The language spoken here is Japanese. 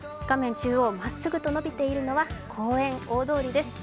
中央まっすぐと伸びているのは公園大通です。